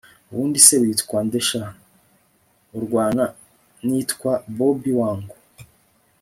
ubundi se witwa nde sha!? urwana nitwa bobi wangu